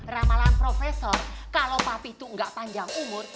ramalan profesor kalau papi tuh nggak panjang umur